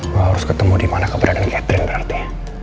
gue harus ketemu dimana keberadaan catherine berarti